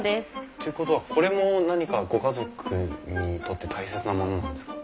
っていうことはこれも何かご家族にとって大切なものなんですか？